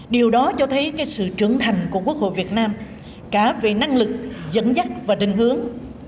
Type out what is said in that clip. điều đó cho thấy sự trưởng thành của quốc hội việt nam cả về năng lực dẫn dắt và định hướng